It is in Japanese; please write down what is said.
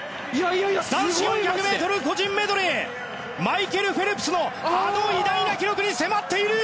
男子４００ｍ個人メドレーマイケル・フェルプスの偉大な記録に迫っている！